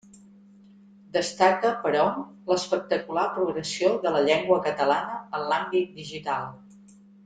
Destaca, però, l'espectacular progressió de la llengua catalana en l'àmbit digital.